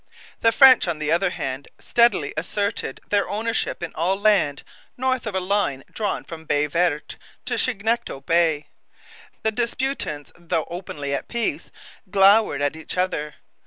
The French, on the other hand, steadily asserted their ownership in all land north of a line drawn from Baie Verte to Chignecto Bay. The disputants, though openly at peace, glowered at each other.